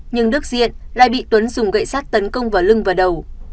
nhưng đức diện lại bị tuấn dùng gậy sát tấn công vào lưng và đầu